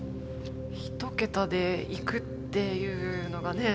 一桁でいくっていうのがね。